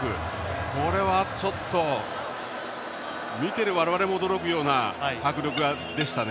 これは、ちょっと見てる我々も驚くような迫力でしたね。